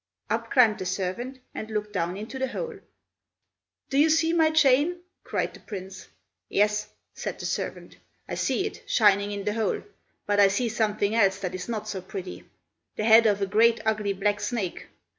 Up climbed the servant, and looked down into the hole. "Do you see my chain?" cried the Prince. "Yes," said the servant, "I see it, shining in the hole, but I see something else that is not so pretty; the head of a great ugly black snake.